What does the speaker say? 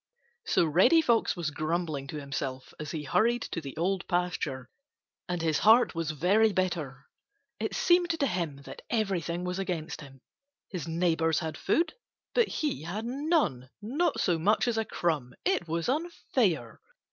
So Reddy Fox was grumbling to himself as he hurried to the Old Pasture and his heart was very bitter. It seemed to him that everything was against him. His neighbors had food, but he had none, not so much as a crumb. It was unfair.